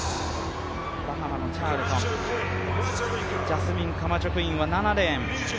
バハマのチャールトン、ジャスミン・カマチョクインは７レーン。